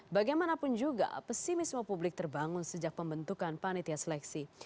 bagaimanapun juga pesimisme publik terbangun sejak pembentukan panitia seleksi